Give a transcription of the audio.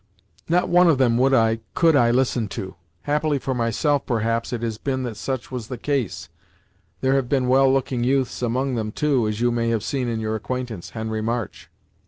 "Not one of them would I could I listen to; happily for myself perhaps, has it been that such was the case. There have been well looking youths among them too, as you may have seen in your acquaintance, Henry March."